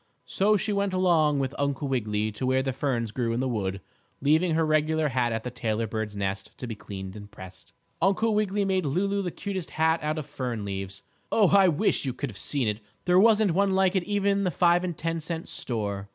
So she went along with Uncle Wiggily to where the ferns grew in the wood, leaving her regular hat at the tailor bird's nest to be cleaned and pressed. Uncle Wiggily made Lulu the cutest hat out of fern leaves. Oh, I wish you could have seen it. There wasn't one like it even in the five and ten cent store.